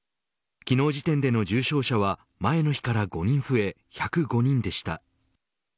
昨日時点での重症者は前の日から５人増え１０５人でした。